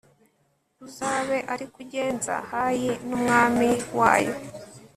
uzabe ari ko ugenza hayi n'umwami wayo